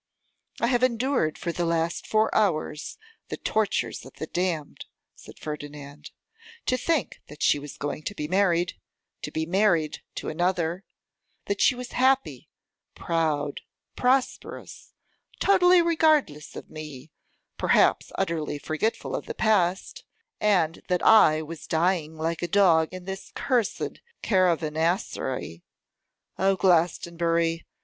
'I have endured for the last four hours the tortures of the damned,' said Ferdinand, 'to think that she was going to be married, to be married to another; that she was happy, proud, prosperous, totally regardless of me, perhaps utterly forgetful of the past; and that I was dying like a dog in this cursed caravanserai! O Glastonbury!